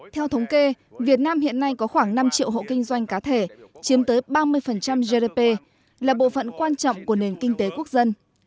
theo thống kê việt nam hiện nay có khoảng năm triệu hộ kinh doanh cá thể chiếm tới ba mươi gdp là bộ phận quan trọng của nền kinh tế quốc dân